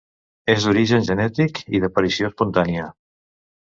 És d'origen genètic i d'aparició espontània.